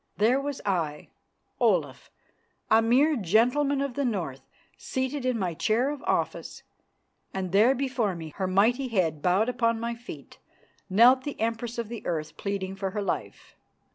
There was I, Olaf, a mere gentleman of the North, seated in my chair of office, and there before me, her mighty head bowed upon my feet, knelt the Empress of the Earth pleading for her life.